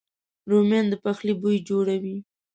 رومیان د پخلي بوی جوړوي